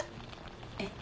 えっ？